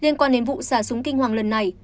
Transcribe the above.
liên quan đến vụ xả súng kinh hoàng lần này